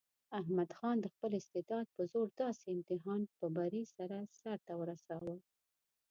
احمد خان د خپل استعداد په زور داسې امتحان په بري سره سرته ورساوه.